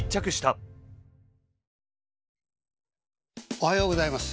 おはようございます。